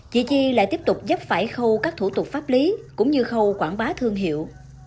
chị chi lại tiếp tục dấp phải khâu các thủ tục pháp lý cũng như khâu quảng bá thương hiệu